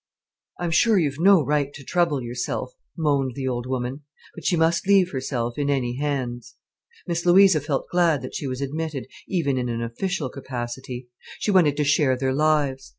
"I'm sure you've no right to trouble yourself," moaned the old woman. But she must leave herself in any hands. Miss Louisa felt glad that she was admitted, even in an official capacity. She wanted to share their lives.